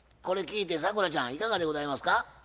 これ聞いて咲楽ちゃんいかがでございますか？